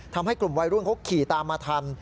ทำให้กลุ่มวัยรุ่นเขาขี่ตามมาทัน